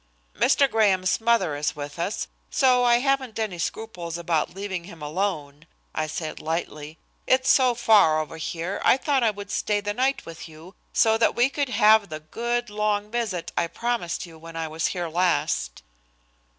"Mr. Graham's mother is with us, so I haven't any scruples about leaving him alone," I said lightly. "It's so far over here I thought I would stay the night with you, so that we could have the good long visit I promised you when I was here last."